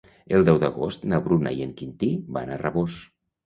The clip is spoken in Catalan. El deu d'agost na Bruna i en Quintí van a Rabós.